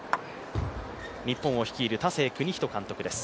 日本を率いる田勢邦史監督です。